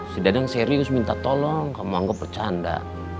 si dadang serius minta tolong kamu anggap bercanda